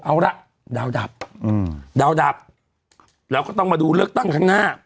เอาละดาวดับดาวดับเราก็ต้องมาดูเลือกตั้งข้างหน้า